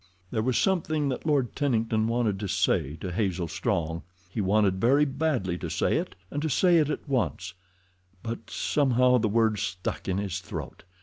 There was something that Lord Tennington wanted to say to Hazel Strong—he wanted very badly to say it, and to say it at once; but somehow the words stuck in his throat.